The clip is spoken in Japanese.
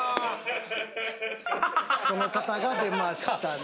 その方が出ましたね。